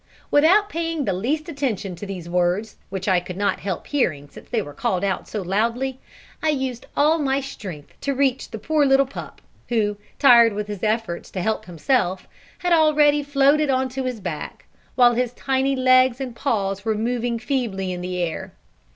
Without paying the least attention to these words, which I could not help hearing they were called out so loudly, I used all my strength to reach the poor little pup, who, tired with his efforts to help himself, had already floated on to his back, while his tiny legs and paws were moving feebly in the air.